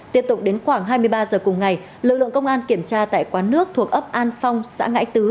tiếp tục đến khoảng hai mươi ba h cùng ngày lực lượng công an kiểm tra tại quán nước thuộc ấp an phong xã ngãi tứ